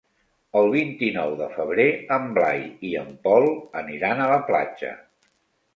El vint-i-nou de febrer en Blai i en Pol aniran a la platja.